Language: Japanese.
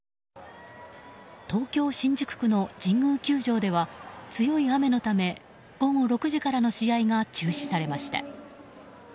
東京・新宿区の神宮球場では強い雨のため、午後６時からの試合が中止されました。